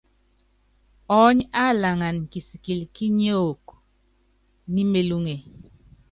Ɔɔ́ny á laŋan kisikɛl kí niok ní melúŋe.